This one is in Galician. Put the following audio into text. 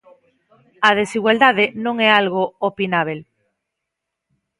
A desigualdade non é algo opinábel.